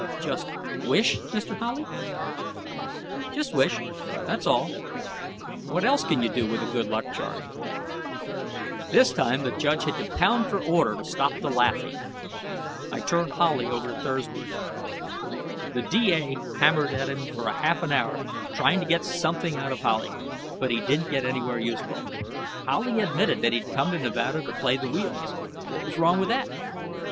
_ Just wish, Mr. Howley?" "Just wish. That's all. What else can you do with a good luck charm?" This time, the judge had to pound for order to stop the laughing. I turned Howley over to Thursby. The D.A. hammered at him for half an hour trying to get something out of Howley, but he didn't get anywhere useful. Howley admitted that he'd come to Nevada to play the wheels; what was wrong with that?